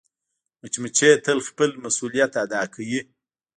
مچمچۍ تل خپل مسؤولیت ادا کوي